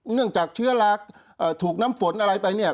จากเชื้อราถูกน้ำฝนอะไรไปเนี่ย